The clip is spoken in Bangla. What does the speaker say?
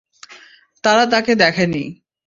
তারা তাকে দেখে নি।